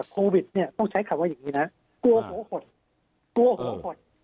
โควิดเนี่ยต้องใช้คำว่าอย่างนี้นะกลัวหัวหดกลัวหัวหด